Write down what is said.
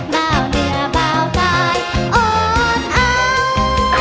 เบ้าเหนือเบ้าตายโอ๊ดอ้าว